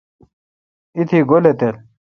ایتی گولی تل۔